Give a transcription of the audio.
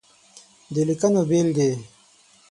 د ليکنو بېلګې :